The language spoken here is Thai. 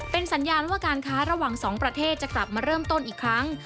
เป็นสัญญาณว่าการค้าระหว่างสองประเทศจะกลับมาเริ่มต้นอีกครั้ง